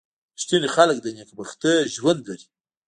• رښتیني خلک د نېکبختۍ ژوند لري.